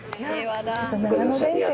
ちょっと長野電鉄。